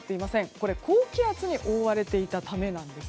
これ、高気圧に覆われていたためなんです。